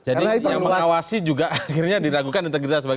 jadi yang mengawasi juga akhirnya diragukan integritas bagaimana pak